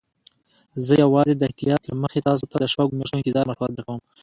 زه یوازې د احتیاط له مخې تاسي ته د شپږو میاشتو انتظار مشوره درکوم.